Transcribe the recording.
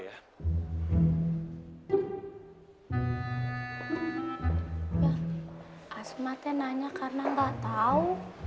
asmatnya tanya karena tidak tahu